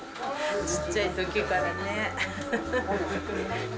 ちっちゃいときからね。